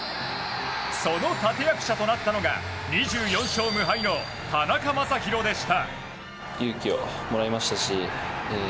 その立役者となったのが２４勝無敗の田中将大でした。